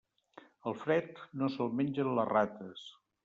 El fred, no se'l mengen les rates.